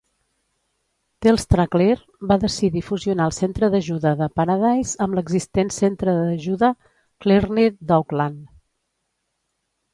TelstraClear va decidir fusionar el centre d'ajuda de Paradise amb l'existent centre d'ajuda Clearnet d'Auckland.